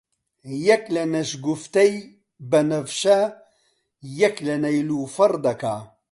یەک لە نەشگوفتەی بەنەفشە، یەک لە نەیلۆفەڕ دەکا